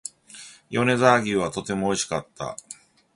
米沢牛はとても美味しかった